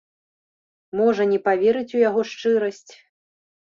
Можа, не паверыць у яго шчырасць.